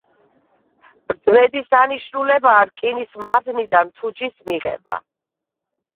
ბრძმედის დანიშნულებაა რკინის მადნიდან თუჯის მიღება.